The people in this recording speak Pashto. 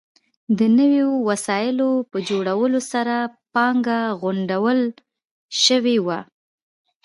د نویو وسایلو په جوړولو سره پانګه غونډول شوې وه.